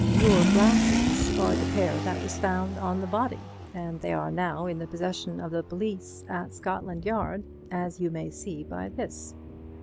Your glasses are the pair that was found on the body, and they are now in the possession of the police at Scotland Yard, as you may see by this."